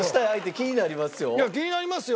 気になりますよ。